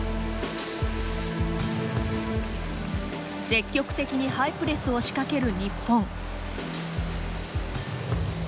積極的にハイプレスを仕掛ける日本。